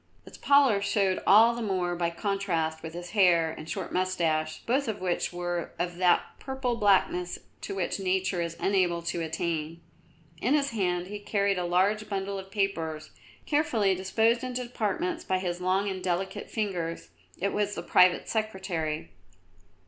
Its pallor showed all the more by contrast with his hair and short moustache, both of which were of that purple blackness to which Nature is unable to attain. In his hand he carried a large bundle of papers, carefully disposed into departments by his long and delicate fingers. It was the Private Secretary.